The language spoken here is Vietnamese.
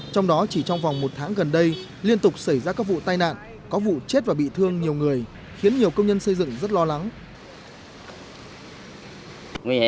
trong đó chỉ trong vòng một tháng gần đây liên tục xảy ra các vụ tai nạn lao động trên địa bàn tỉnh đồng nai